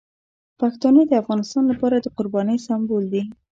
پښتانه د افغانستان لپاره د قربانۍ سمبول دي.